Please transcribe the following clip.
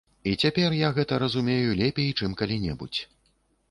І цяпер я гэта разумею лепей, чым калі-небудзь.